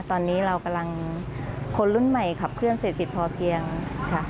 ตอนนี้เรากำลังคนรุ่นใหม่ขับเคลื่อเศรษฐกิจพอเพียงค่ะ